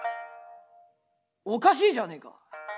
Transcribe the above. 「おかしいじゃあねえか。